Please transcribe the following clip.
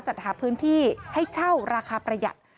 จัดหาพื้นที่ให้เช่าราคาประหยัด